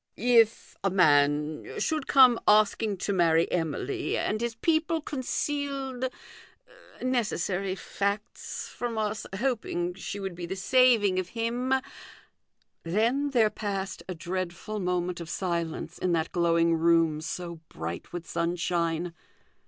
" If a man should come asking to marry Emily, and his people concealed necessary facts from us hoping she would be the saving of him " Then there passed a dreadful moment of silence in that glowing room, so bright with sunshine.